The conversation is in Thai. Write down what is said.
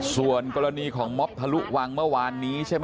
ส่วนกรณีของม็อบทะลุวังเมื่อวานนี้ใช่ไหม